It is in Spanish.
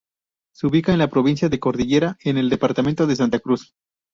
Se ubica en la provincia de Cordillera en el departamento de Santa Cruz.